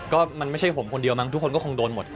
ก็มันไม่ใช่ผมคนเดียวมั้งทุกคนก็คงโดนหมด